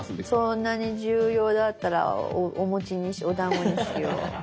そんなに重要だったらおだんごにしよう。